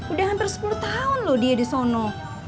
udah hampir sepuluh tahun loh dia di sana